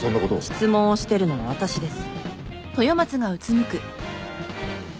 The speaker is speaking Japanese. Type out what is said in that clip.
質問をしてるのは私です。